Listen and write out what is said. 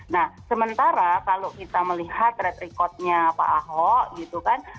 nah sementara kalau kita melihat track recordnya pak ahok gitu kan